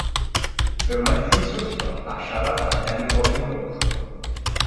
Fe wnaeth hi sgwrsio, a siarad, a denu'r robin goch.